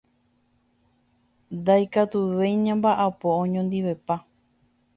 Ndaikatuvéi ñambaʼapo oñondivepa.